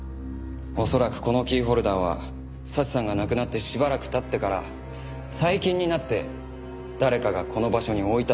恐らくこのキーホルダーは早智さんが亡くなってしばらく経ってから最近になって誰かがこの場所に置いたものなんです。